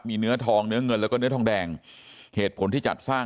มีเนื้อทองเนื้อเงินแล้วก็เนื้อทองแดงเหตุผลที่จัดสร้าง